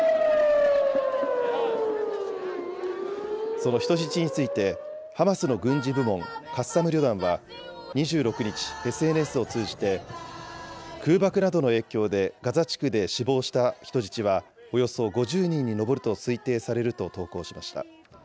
その人質について、ハマスの軍事部門カッサム旅団は２６日、ＳＮＳを通じて空爆などの影響でガザ地区で死亡した人質はおよそ５０人に上ると推定されると投稿しました。